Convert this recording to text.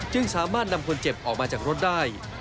สามารถนำคนเจ็บออกมาจากรถได้